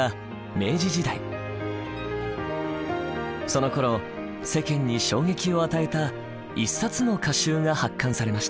そのころ世間に衝撃を与えた一冊の歌集が発刊されました。